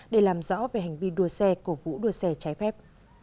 để làm rõ về hành vi đua xe cổ vũ đua xe trái phép